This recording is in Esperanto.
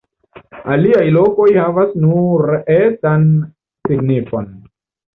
Aliaj lokoj havas nur etan signifon.